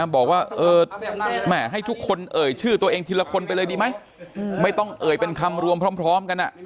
บอกว่าแหมให้ทุกคนเอ่ยชื่อตัวเองทีละคนไปเลยดีไหมไม่ต้องเอ่ยเป็นคำรวมพร้อมกัน